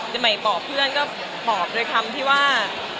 หมายปลอบเพื่อนก็ปลอบด้วยคำที่ว่า